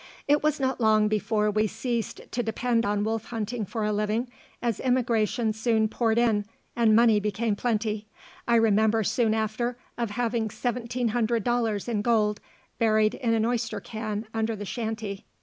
It was not long before we ceased to depend on wolf hunting for a living, as immigration soon poured in, and money became plenty. I remember soon after of having seventeen hundred dollars in gold buried in an oyster can under the shanty.